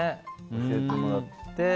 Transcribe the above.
教えてもらって。